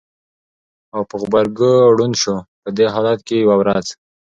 او په غبرګو ړوند شو! په دې حالت کې یوه ورځ